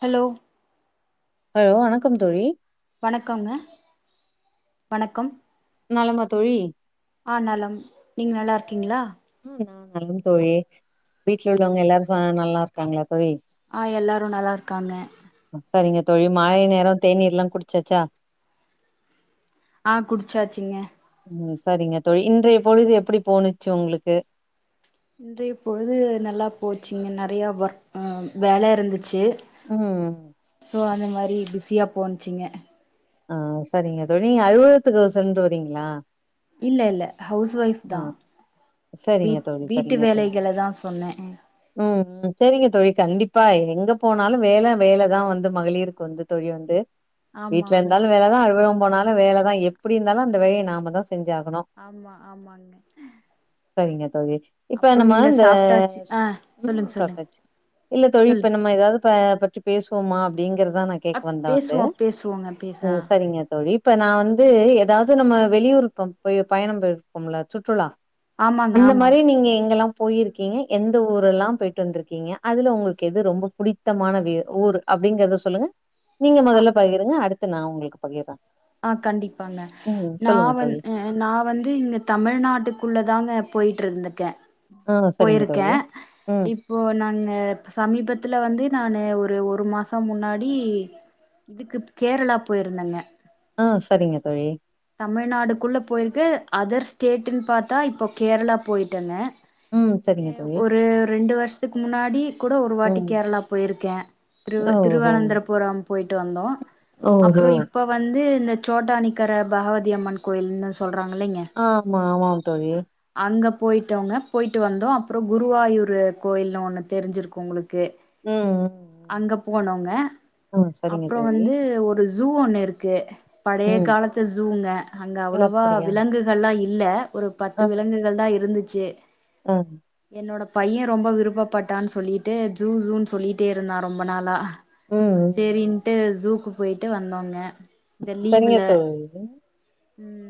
Hello hello வணக்கம் தோழி வணக்கம்ங்க வணக்கம் நலமா தோழி ஆ நலம் நீங்க நல்லா இருக்கீங்ளா ஆ நான் நலம் தோழி வீட்ல உள்ளவங்க எல்லாரும் ச நல்லா இர்க்காங்ளா தோழி ஆ எல்லாரு நல்லா இருக்காங்க சரிங்க தோழி மாலை நேரோ தேநீர் லா குடிச்சாச்சா ஆ குடிச்சாச்சிங்க ம் சரிங்க தோழி இன்றைய பொழுது எப்டி போணுச்சு உங்ளுக்கு இன்றைய பொழுது நல்லா போச்சுங்க நறைய வர்க் ம் வேல இருந்துச்சு ம் சோ அந்த மாரி பிஸியா போன்ச்சிங்க ஆ சரிங்க தோழி நீங்க அலுவத்துக்கு சென்று வரீங்களா இல்ல இல்ல ஹவுஸ் ஒய்ஃப் தா ஆ வீ சரிங்க தோழி வீட்டு சரிங்க தோழி வேலைகள தா சொன்ன ம் ம் சரிங்க தோழி கண்டிப்பா எங்க போனாலு வேல வேலதா வந்து மகளிருக்கு வந்து தோழி வந்து ஆமா வீட்ல ஆமா இருந்தாலு வேலதா அலுவலகம் போனாலு வேலதா எப்படி இருந்தாலு அந்த வேலய நம்மா தா செஞ்சாகணு ஆமா ஆமாங்க செரிங்க தோழி இப்ப அப்றோ நம்ம நீங்க இந்த சாப்ட்டாச்சு ஆ ம் சொல்லுங்க சொல்லுங்க சாப்ட்ச்சி இல்ல தோழி சொல்லு இப்ப நம்ம எதாவது இப்பப பற்றி பேசுவோமா அப்டிங்கிறதுதா நா [unintelligible] பேசுவோ பேசுவோங்க பேச ம் சரிங்க தோழி இப்ப நா வந்து எதாவது நம்ம வெளியூர் போய் பயணம் போயிருக்போம்ல சுற்றுலா ஆமாங்க அந்த மாரி ஆமாங்க நீங்க எங்கெல்லா போயிருக்கீங்க எந்த ஊரெல்லா போய்ட்டு வந்திருக்கீங்க அதுல உங்களுக்கு எது ரொம்ப புடித்தமான வியர் ஊர் அப்டிங்கறத சொல்லுங்க நீங்க ஆ மொதல்ல பகிருங்க அடுத்து நா உங்களுக்கு பகிர்றே ஆ கண்டிப்பாங்க நா வந் தோழி. நா வந்து இங்க தமிழ்நாட்டுக்குள்ள தாங்க போயிட்டுருந்துக்கே ஆ சரிங்க போயிருக்கே தோழி. ம். இப் இப்போ நானு சமீபத்துல வந்து நானு ஒரு ஒரு மாசோ முன்னாடி இதுக்கு கேரளா போயிருந்தங்க ஆ சரிங்க தோழி தமிழ்நாடுக்குள்ள போயிருக்கு அதர் ஸ்டேட்டுன்னு பாத்தா இப்போ கேரளா போயிட்டு வந்த ம் செரிங்க ஒரு ரெண்டு வருஷத்துக்கு முன்னாடி கூட ஒரு வாட்டி ம். கேரளா போயிருக்கே திரு திருவானந்தரபுரம் போயி்ட்டு வந்தோ ஓ ஹோ அப்புறோ இப்ப வந்து இந்த சோட்டானிக்கர பகவதிய அம்மன் கோயில்னு சொல்றாங்களங்க ஆ ஆமா ஆமாம் தோழி அங்க போய்ட்டோங்க போய்ட்டு வந்தோ அப்றோ குருவாயூர்ரு கோயில்னு ஒண்ணு தெரிஞ்சிருக்கு உங்களுக்கு ம் அங்க போனோங்க ம் ஆ சரிங்க அப்றோ தோழி வந்து ஒரு ஜூ ஒண்ணு இருக்கு பழைய ம் காலத்து ஜூங்க அங்க அவ்ளவா விலங்க அப்டியா விலங்குகள் எல்லா இல்ல ஒரு ஆ பத்து விலங்குகள் தா இருந்துச்சு ம் என்னோடய பைய ரொம்ப விருப்பப்பட்டான்னு சொல்லிட்டு ஜூ ஜூன்னு சொல்லிட்டே இருந்தா ரொம்ப நாளா ம் ம் சேரின்ட்டு ஜூக்கு போயிட்டு வந்தோங்க இந்த செரிங்க லீவுல தோழி ம்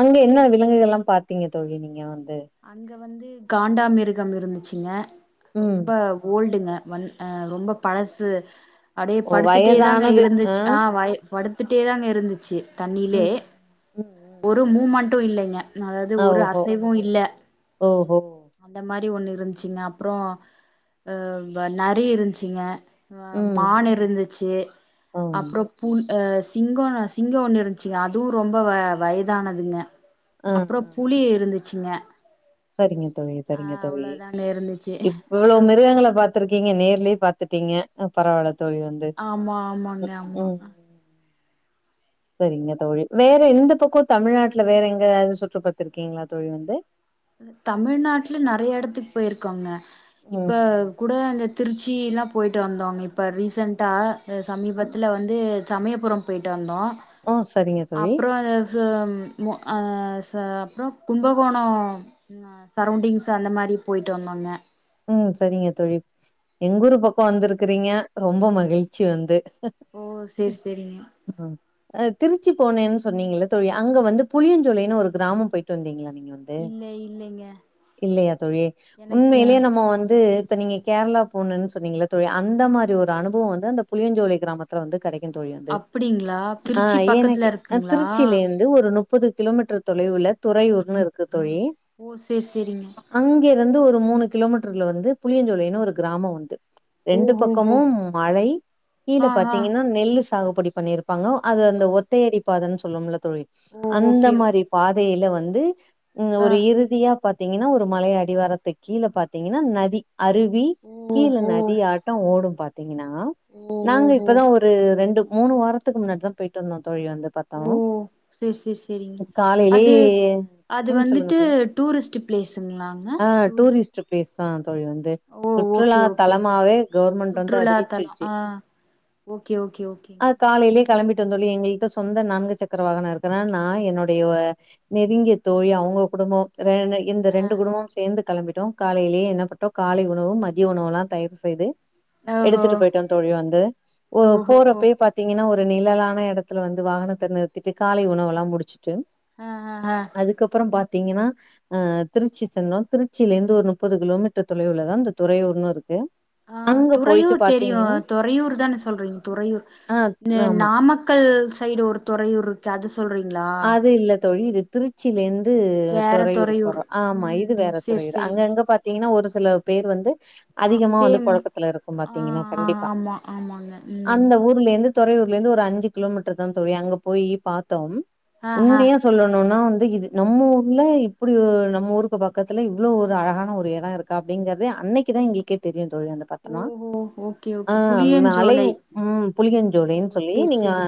அங்க என்ன விலங்குகள் எல்லா பாத்தீங்க தோழி நீங்க வந்து அங்கே வந்து காண்டா மிருகம் இருந்துச்சுங்க ம் ரொம்ப ஓல்டுங்க வன் ஆ ரொம்ப பழசு அப்படியே ஓ படுத்துட்டே தாங்க வயதானது இருந்துச்சு ஆ வய படுத்துட்டே தாங்க இருந்துச்சு ம் தண்ணிலே ம் ம் ஒரு ம் மூமெண்ட்டு இல்லிங்க அதாவது ஆ ஒரு ஓஹோ அசைவு இல்ல ஓஹோ அந்த மாரி ஒண்ணு இருந்துச்சிங்க அப்றோ ஆ நரி இருந்துச்சிங்க ம் மான் ம் இருந்துச்சு ஆ அப்றோ பு அ சிங்கோ சிங்கோ ஒன்னு இருந்துச்சுங்க அதுவு ரொம்ப வ வயதானதுங்க ஆ அப்றோ ஆ. புலி இருந்துச்சுங்க சரிங்க தோழி ஆ சரிங்க தோழி அவ்ளோதாங்க இருந்துச்சு இப்ப இவ்ளோ அப்றோ மிருகங்கள பாத்து பாத்ருக்கீங்க நேர்லியே பாத்துட்டீங்க பரவால்ல தோழி வந்து ஆமா ஆமாங்க ம் ஆமா ம். சரிங்க தோழி வேற எந்த பக்கோ தமிழ்நாட்டுல வேற எங்காவது சுற்று பாத்துருக்கீங்ளா தோழி வந்து தமிழ்நாட்ல நெறைய எடத்துக்கு பொயிருக்கோங்க ம் இப்ப இப்ப கூட இந்த திருச்சிலா பொயிட்டு வந்தோங்க இப்போ ரீசெண்ட்டா ம். சமீபத்ல்ல வந்து சமயபுரோ பொய்ட்டு வந்தோ ஓ சரிங்க தோழி அப்றோ அ அ மு அ ச அப்றோ கும்பகோணோ சரௌண்டிங்ஸ் அந்த மாரி பொயிட்டு வந்தோங்க ம் சரிங்க தோழிலஸ எங்க ஊர் பக்கோ வந்திருக்குறீங்க ரொம்ப மகிழ்ச்சி வந்து ஓ சேர் சேரி ம் அ திருச்சி போனேன்னு சொன்னீங்கல்ல தோழி அங்க வந்து புளியஞ்சோலைன்னனு ஒரு கிராமம் பொயிட்டு வந்தீங்ளா நீங்க வ ந்து இல்ல இல்லைங்க இல்லையா தோழி எனக்கு உண்மையிலேயே நம் ம வந்து இப்ப நீங்க கேரளா போனணு சொன்னீகள்ள தோழி அந்த மாரி ஒரு அனுபவோ வந்து அந்த புளியஞ்சோலை கிராமத்ல வந்து கெடைக்கு தோழி வந்து அப்டிங்களா அ திருச்சி எனக்கு பக்கத்துல இருக்குங்களா திருச்சியிலேந்து ஒரு முப்பது கிலோமீட்டர் தொலைவுல துறையூர்ன்னு இருக்கு தோழி ஓ சேர் சேரிங்க அங்கேருந்து ஒரு மூணு கிலோமீட்ருல வந்து புளியஞ்சோலைன்னு ஒரு கிராமோ வந்து ஓ ரெண்டு ஹோ ஹோ பக்கமும் மலை கீழ ஆ ஆ பாத்தீங்கன்னா நெல்லு சாகுபடி பண்ணிரு ப்பாங்க அது அந்த ஒத்தையடி பாதைன்னு சொல்லுவோம்ல தோழி ஓ அந்த ஓகே மாரி பாதையில வந்து ம் ஆ ஒரு இறுதியா பாத்திங்கன்னா ஒரு மலை அடிவாரத்து கீழ பாத்திங்கன்னா நதி அருவி ஓ கீழ ஹோ நதி ஆட்டோ ஓடு பாத் த்திங்கன்னா ஓ ஓ நாங்க ஹோ இப்பதா ஒரு ரெண்டு மூணு வாரத்துக்கு முன்னாடி தா பொயிட்டு வந்தோ தோழி வந்து பாத்தோ ஓ சேரி சேரி சேரிங்க காலையிலே அது அது வந்துட்டு டூரிஸ்ட்டு ப்ளேஸுங்ளாங்க ஆ டூரிஸ்ட் பிளேஸ் தா தோழி வந்து ஓ சுற்றுலா ஓகே ஓகே தலமாவே கவுர்மெண்ட் வந்து சுற்றுலா தலம் அறிவிச்சிருச்சு ஆ ஓகே ஓகே ஓகே காலையிலயே கிளம்பிட்டோ எங்கள்ட்ட சொந்த நான்கு சக்கர வாகனோ இருக்கதுனால நா என்னுடைய நெருங்கிய தோழி அவுங்க குடும்போ ரெ இந்த ரெண்டு குடும்பு சேந்து கெளம்பிட்டோ காலையிலேயே என்ன பண்ட்டோ காலை உணவு மதிய உணவு எல்லா தயார் செய்து ஓஹோ எடுத்துட்டு பொய்ட்டோ தோழி வந்து ஒ ஓஹோ ஹோ போறப்பயே பாத்திங்கன்னா ஒரு நிழலான இடத்துல வந்து வாகனத்த நிறுத்திட்டு காலை உணவெல்லா முடிச்சுட்டு அ அ அ அதுக்கப்றோ பாத்திங்கன்னா அ திருச்சி சென்றோ திருச்சியில இருந்து ஒரு முப்பது கிலோமீட்டர் தொலைவுளதா இந்த துறையூர்னு இருக்கு அ அங்க போயிட்டு துறையூர் தெரியு பார்த்தீங்கன்னா, தொறையூர் தானே சொல்றீங்க துறையூர் ஆ இந்த ஆமா. நாமக்கல் நாமக்கள் சைடு ஒரு தொறையூர் இருக் க்கே அது சொல்றீங்ளா அது இல்ல தோழி இது திருச் சிலேருந்து வேற தொறையூர் துறையூர் போறோ ஆமா இது ம் வேற சேரி தொறையூர் சேரி அங்கங்க பாத் தீங்கனா ஒரு சில பேர் வந்து ஆ அதிகமா வந்து சேம் பொழக்கத்துல இருக்கும் ஆ பாத்தீங்கனா ஆ கண்டிப்பா ஆமா ஆமாங்க ம் அந்த ஊர்லேருந்து துறையூர்ல இருந்து ஒரு அஞ்சி கிலோமீட்டர் தான் தோழி அங்க போய் பாத்தோம் ஆ ஆ உண்மயா சொல்லணும்ன்னா வந்து இது நம்ம ஊர்ல இப்படி நம்ம ஊருக்கு பக்கத்தல இவ்ளோ ஒரு அழகான ஒரு எடம் இருக் அப்டிங்கறது அன்னைக்குதான் எங்கள்க்கே தெரியும் தோழி வந்து பாத்துனா ஓஹோ ஓகே ஆ ஓகே ம் அலை புளியஞ்சோலை உம் ஓ புளிகஞ்சோலைனு சொல்லி சேரி நீங்க சேரி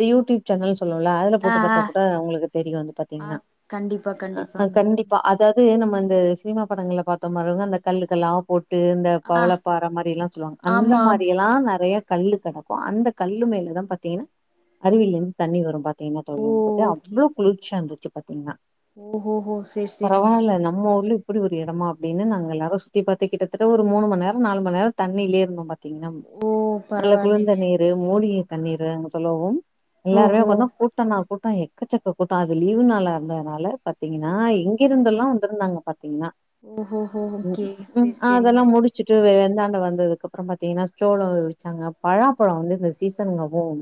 த யூடியூப் சேனல் சொல்வோம்ல அதுல ஆ போட்டு பாத் ஆ தா கூட உங்களுக்கு தெரியும் வந்து ஆ பாத்தீங்கன்னா கண்டிப்பா அ அ கண்டிப்பாங்க கண்டிப்பா அதாது நம்ம இந்த சினிமா படங்கள பாத்தோ மாரிதா இந்த கல்லுக்கெல்லா ட்டு இந்த ஆ பவளப்பாற மாரிலாம் சொல்வாங்க அந்த ஆமா மாரி எல்லாம் நெறைய கல்லு கெடக் அந்த கல்லு மேல தான் பாத்தீங்கன்னா அருவில இருந்து தண்ணி வரும் பாத்தீங்கன்னா தோழி ஓ குளிர்ச்சா இருந்துச்சு பாத்தீங்கன்னா ஓஹோ ஹோ செரி செரிங்க பரவால்ல நம்ம ஊர்ல இப்ப ஒரு எடமா அப்டின்னு நாங்க எல்லாரும் சுத்தி பாத்து கிட்டத்தட்ட ஒரு மூனுமன் நேரம் நாலும நேர தண்ணிலே இருந்தோ ப திங்னா ஓ நல்ல குளுந்த பரவாயில்லைங்க நீர் மூலிகை தண்ணீறு சொல்லவும் எல்லாருமே ஓஹோ உக்காந்து கூட்டம்தா கூட்டம் எக்கச்சக்க கூட்டம் அது லீவு நாளா இருந்தனால பாத்தீங்கன்னா எங்கருந்தோலாம் வந்ருந்தாங்க பாத்தீங்கன்னா ஓஹோ ஓகே சேரி சேரி அதெலாம் முடிச்சிட்டு வெந்தாண்டம் வந்ததுக்கப்றொ பாத்தீங்கனா சோளொ விச்சாங்க பலாப்பழம் வந்து இந்த சீசனுக்கவும்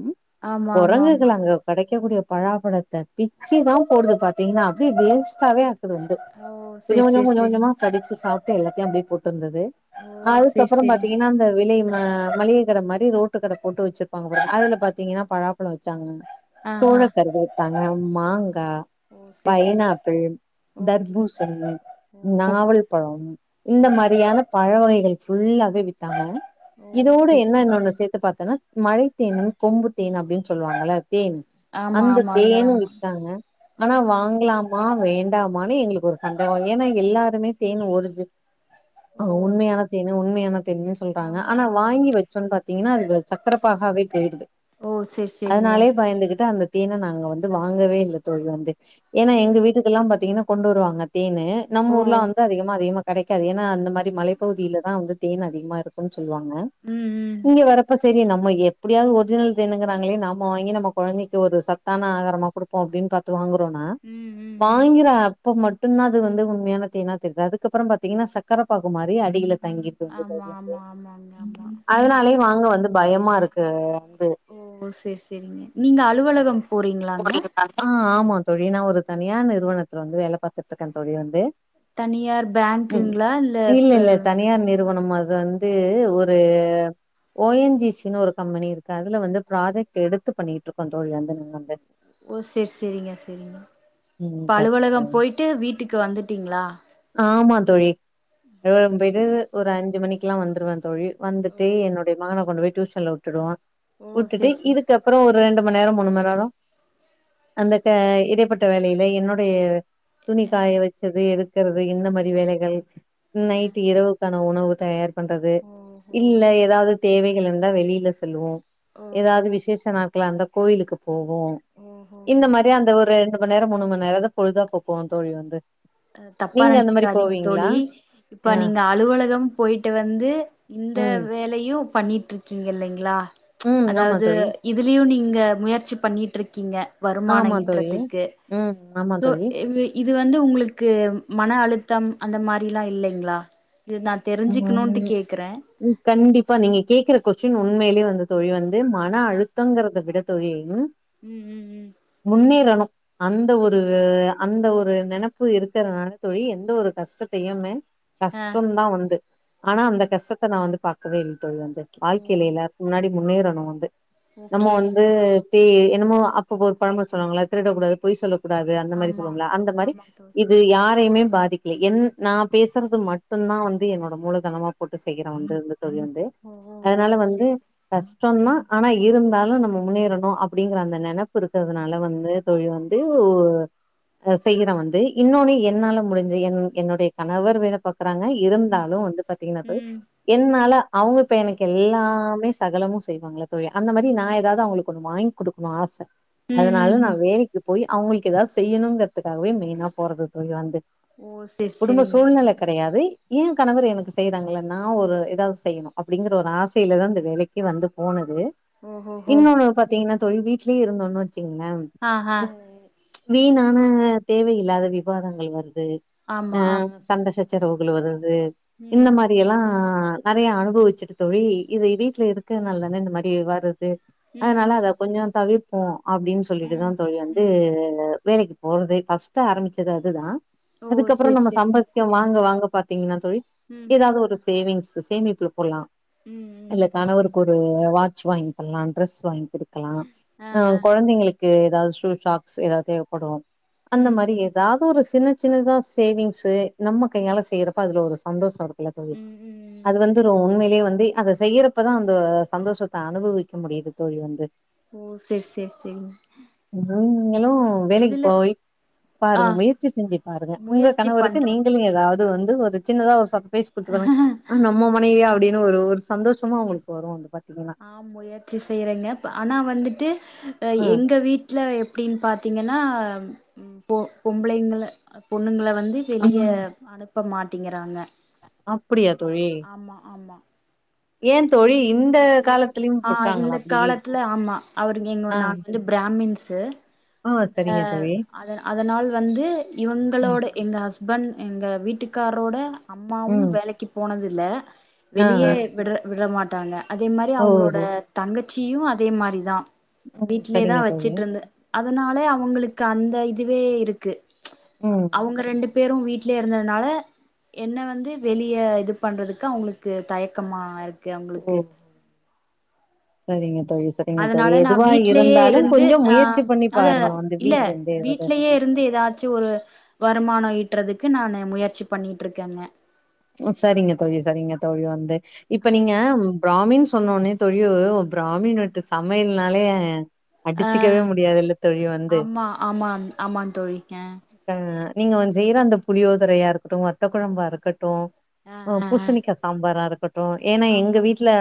ஆமா ஆமா கொரங்குகள் ஆமாங்க அங்க கெடைக்க குடிய பலாப்பழத்த பிச்சி தான் போடுது பாத்தீங்னா அப்டியே வேஸ்ட்டாவே ஆக்குதுண்டு ஓ கொஞ்சொ செரி கொஞ்சோ செரி செரிங்க கொஞ்சஞ்சமா கடிச்சி சாப்ட்டு எல்லாத்தையு அப்டியே போட்ருந்தது ஓ செரி அதுக்கப்புறொ செரிங்க பாத்தீங்கனா அந்த வெளைவு ஆ மளிக கட மாரி ரோட்டு கட போட்டு வச்சுருப்பாங்க போல அதுல பாத்தீங்கனா பலாப்பழொ விச்சாங்க ஆ சோழ ஆ கருஞ் வித்தாங்க மாங்கா ஓ செரி செரி பைனாப்பிள் ஓகே தர்பூசணி ஓஹோஹோ நாவல் பழம் இந்த ஓ செரி மாரியான பழ வகைகள் ஃபுல்லாவே வித்தாங்க ஓ இதுவோட செரி என்ன செரி இன்னொனு சேத்து பாத்தனா மழைத்தேனு கொம்பு தேன் அப்டின் சொல்வாங்கள தேன் ஆமா அந்த ஆமாங்க தேனு ஆமா விச்சாங்க அனா வாங்லாமா வேண்டாமானு எங்ளுக்கு ஒரு சந்தேகொ ஏனா எல்லாருமே தேனு ஒரு ஆ ஓ உண்மையான தேனு உண்மையான தேன்னுனு சொல்றாங்க ஆமா ஆனா ஆமா வாங்கி வச் சோன் பாத்தீங்னா அந்த சக்கரப்பாகாவே போய்டுது ஓ செரி செரிங்க அதனாலே பயந்துகுட்டு அந்த தேன நாங்க வந்து வாங்கவேல்ல தோழி வந்து ஓ ஏனா எங்க வீட்டு தெல்லாம் பாத்தீங்கன்னா கொண்டு வருவாங்க தேனு ஓ நம்ம ஊர்ல வந்து அதிகமா அதிகமா கடைக்காது ஏனா அந்த மாரி மலைப்பகுதியில தா வந்து தேன் அதிகமா இருக்குன் சொல்வாங்க ம் ம் இங்க வரப்ப சரி நம்ம எப்டியாது ஒரிஜினல் தேனுங்றாங்களே நாம வாங்கி நம்ம கொழந்தைக் த்து ஒரு சத்தான ஆகாரமா குடுப்போம் அப்டின் பாத்து வாங்குறோம்னா ம் ம் ம் வாங்கிற ப்போ மட்டும்தான் அது வந்து உண்மையான தேனா தெர்து அதுக்கப்புறம் பாத்தீங்கன்னா சக்கர பாகுமாரி அடியில தங்கி ஆமா ஆமா ஆமாங்க ஆமா அதனாலயே வாங்க வந்து பயமா இருக்கு வந்து ஓ செர் செரிங்க நீங்க அலுவலகம் போறீங்களாங்க ஆமா தோழி நான் ஒரு தனியார் நிறுவனத்துல வந்து வேல பாத்துட்டு இருக்கேன் தோழி வந்து தனியார் ம் பேங்க்குங்களா இல்ல ப இல்லல்ல தனியார் நிறுவனம் மார்தா ஒரு ஓ என் ஜி சினு ஒரு கம்பெனி இருக்கு அதுல வந்து ப்ராஜெக்ட் எடுத்து பண்ணிகிட்ருக்கோ தோழி வந்து ஓ சேரி சேரிங்க சேரிங்க ம் இப்ப சரிங்க அலுவலகம் தோழி போய்ட்டு வீட்டுக்கு வந்துட்டீங்ளா ஆமா தோழி செரி செரி இந்துது ஒரு அஞ்சு மணிக்குலா வந்துருவ தோழி ஓ வந்துட்டு என்னோட மகன கொண்டு போய் டியூஷன்ல உட்டுடுவ ஓ உட்டுட்டு செரி இதுக் செரி அதுக்கப்றோ ஒரு ரெண்டு மண்நேரோ மூணுமண்நேரோ அந்த க இடைப்பட்ட வேலைல என்னுடைய துணி காய வச்சது எடுக்கறது இந்த மாரி வேலைகள் நைட்டு இரவுக்கான உணவு தயார் பண்றது ஓஹோ இல்ல எதாது தேவைகளிருந்தா வெளில சொல்லுவோ ஓஹோ எதாது விசேஷ நா ட்களாந்த கோயிலுக்கு போவோ இந்த ஓஹோஹோ மாரி செரி அந்த செரி ஒரு ரெண்டு மண்நேரோ மூணு மண்நேரோ தா பொழுதா போக்குவோ தோழி வந்து அ தப்பா நீங்க அந்த மாரி நனச்சிக்காதீங்க போவீங்களா தோழி இப்ப ஆ நீங்க அலுவலகம் போய்ட்டு வந்து இந்த ம் வேலயு பண்ணிட்ருக்கீங்இல்லைங்ளா ம் ஆமா அதாவது தோழி இதுலியு நீங்க முயற்சி பண்ணிட்ருக்கீங்க வருமானோ ஆமா தோழி ஈட்றதுக்கு ம் ஆம் சோ இவி இது வந்து உங்ளுக்கு மன அழுத்தம் அந்த மாரில்லா இல்லைங்ளா இது நா தெரிஞ்சுக்கணுன்ட்டு கேக்குறே ம் கண்டிப்பா நீங்க கேக்குற கொஸ்டின் உண்மையிலே வந்து தோழி வந்து மன ஆ அழுத்தங்கறத விட தோழியையும் ம் ம் ம் முன்னேறணு அந்த ஒரு அந்த ஒரு நெனப்பு இருக்கிறதுனால தோழி எந்த ஒரு கஷ்டத்தயுமே ஆ கஷ்டந்தா வந்து ஆனா ஓ அந்த கஷ்டத்த நா வந்து பாக்கவே இல்ல தோழி வந்து வாழ்க்கைல எல்லா முன்னாடி முன்னேறணு வந்து நம்ம ஓகே வந்து தே என்னமோ அப்ப ஒரு பழமொழி சொல்லுவங்கல திருட கூடாது பொய் சொல்லக்கூடாது அந்த மாரி ஆமா சொல்லுவங்கல அந்த மாரி ஆமா தோழி இது யாரையுமே பாதிக்ல என் நா பேசுறது மட்டுந்தா வந் இது என்னோட மூலதனமா போட்டு செய்ற வந்துந்த தோழி வந்து ஓ ஓ அதனால ஓ வந்து செரி செரி கஷ்டோன்னா ஆனா இருந்தாலு நம்ம முன்னேறணு அப்டிங்கற அந்த நெனைப்பு இருக்கறதுனால வந்து தோழி வந்து அ செய்யற வந்து இன்னொன்னு என்னால முடிஞ்ச என் என்னுடைய கணவர் வேலை பாக்கறாங்க இரு இருந்தாலு வந்து பாத்தீங்கன்னா தோழி ம் என்னால அவுங்க இப்ப எனக்கு எல்லாமே சகலமு செய்வாங்கல்ல தோழி அந்த மாரி நா எதாது அவங்களுக்கு ஒண்ணு வாங்கி குடுக்ணு ஆச ம் ம் அதனால நா ம் வேலைக்கு போய் அவுங்களுக்கு எதாது செய்யணுங்கறதுக்காகவே மெயினா போறது தோழி வந்து ஓ செரி குடும்ப செரிங்க சூழ்நெல கெடையாது எ கணவர் எனக்கு செய்யறாங்கல்ல நா ஒரு எதாவது செய்ணு அப்டிங்கிற ஒரு ஆசையிலதா இந்த வேலைக்கு வந்து போனது ஓஹோஹோ இன்னொன்னு பாத்தீங்கன்னா தோழி வீட்லியே இருந்தோன்னு வச்சிங்ள அஹ வீணான தேவையில்லாத விவாதங்கள் வருது அ ஆமா ஆமா சண்ட சச்சரவுகள் வருது இந்த ம் மாரியெல்லா நறைய அனுபவிச்சுட்டு தோழி இது வீட்ல இருக்கறனால தான இந்த மாரி வருது ம் அதனால ம் அத கொஞ்சோ தவிர்ப்போ அப்டின்னு சொல்லிட்டுதா ம் தோழி வந்து ம் வேலைக்கு போறதே ஃபர்ஸ்ட்டு ஆரம்பிச்சது அதுதா ஓ அதுக்கப்புறோ செரி நம்ம சம்ப செரிங்க த்தியோ வாங்க வாங்க பாத்தீங்கன்னா தோழி ம் எதாவது ஒரு சேவிங்ஸ்சு சேமிப்புல போட்லா ம் ம் இல்ல கணவருக்கு ஒரு வாட்ச் வாங்கி தர்லா ட்ரெஸ் வாங்கி குடு க்லா ஆ அ ஆ கொழந்தைங்களுக்கு ஏதாவது ஷூ ஷாக்ஸ் ஏதாது தேவப்படு அந்த ம் மாரி ம் ஏதாது ஒரு சின்ன சின்னதா சேவிங்ஸு நம்ம கையால செய்யறப்ப அதுல ஒரு சந்தோஷோ இ இல்ல தோழி அது வந்துரு உண்மைலே வந்து அத செய்யறப் ப தா அந்த சந்தோஷத்த அனுபவிக்க முடியுது தோழி வந்து ஓ சேர் சேர் சேரிங் நீங்களு வேலைக்கு போய் ஆ பாருங்க முயற்சி செஞ்சு பாருங்க உங்க முயற்சி கணவருக்கு பண்றே நீங்களு ஏதாவது வந்து ஒரு இந்த சின்னதா ஒரு சப்பபைஸ் குடுத்து பாருங்க ஆ நம்ம மனைவியா அப்டின் ஒரு ஒரு சந்தோஷமு அவுங்ளுக்கு வரு வந்து பாத்தீங்கன்னா ஆ முயற்சி செய்றேங்க ப் ஆனா வந்துட்டு அ ஆ எங்க வீட் ட்ல எப்டின் பாத்தீங்கன்னா பொ பொம்ளைங்கள அ பொண்ணுங்கள வந்து வெளிய ம் அனுப்ப மாட்டீங்கறாங்க அப்டியா தோழி ஆமா ஆமா ஏன் தோழி இந்த காலத்துலயும் ஆ இருக்காங்களா இந்த அப்டி காலத்துல ஆமா அவருங் எங்க ஆ நான் வந்து பிராமின்ஸு ஆ சரிங்க தோழி அத அதனால் வந்து ம் இவுங்களோட எங்க ஹஸ்பண்ட் எங்க வீட்டுக்கார்ரோட அம்மாவு ம் வேலைக்கு போனதில்ல ஆ வெளியே ஆ விட்ர விட மாட்டாங்க அதே மாரி அவுங்களோட ஓஹோ தங்கச்சியு அதே மாரி தா ம் வீட்லே தா சரிங்க தோழி வச்சுட்ருந்து அதனாலே அவுங்களுக்கு அந்த இதுவே இருக்கு ம் அவுங்க ரெண்டு ம் பேரு வீட்லே இருந்ததுனால என்ன வந்து வெளிய இது பண்றதுக்கு அவுங்களுக்கு தயக்கமா இருக்கு ஓ அவுங்களுக்கு சரிங்க தோழி சரிங்க தோழி அதனால நா எதுவா வீட்லயே இருந்தாலு இருந்து கொஞ்சோ ஆ முயற்சிப் பண்ணி பாருங்க அந்த வீட்ல இந்தே வீட்லியே இருந்து ஏதாச்சு ஒரு வருமானோ ஈட்றதுக்கு நானு முயற்சி பண்ணிட்டு இருக்கேங்க ம் சரிங்க தோழி சரிங்க தோழி வந்து இப்ப நீங்க பிராமின் சொன்னவுன்னே தோழி பிராமின் வீட்டு சமயல்னாலே அடிச்சிக்கவே முடியாது இல்ல தோழி வந்து ஆ ஆமாம் ஆமாங் தோழி ஆ நீங்க வந்ச் செய்யற அந்த புளியோதரையா இருக்கட்டு வத்த குழம்பா இருக்கட்டு அ அ பூசிணிக்கா சாம்பாரா இருக்கட்டு ஏன்னா எங்க ஆமா வீட்ல